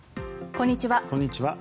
こんにちは。